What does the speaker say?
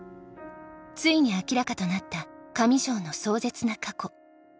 ついに明らかとなった上条の壮絶な過去。